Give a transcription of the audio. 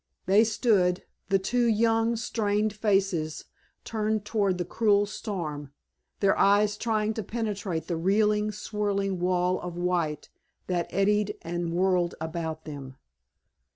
They stood, the two young, strained faces turned toward the cruel storm, their eyes trying to penetrate the reeling, swirling wall of white that eddied and whirled about them.